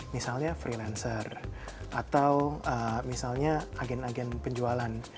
misalnya freelancer atau misalnya agen agen penjualan